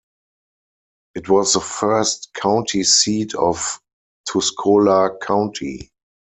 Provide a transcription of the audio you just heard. It was the first county seat of Tuscola County.